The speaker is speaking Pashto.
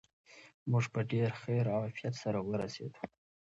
موږ په ډېر خیر او عافیت سره ورسېدو.